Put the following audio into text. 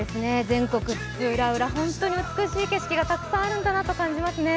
全国津々浦々、本当に美しい景色がたくさんあるんだなと感じますね。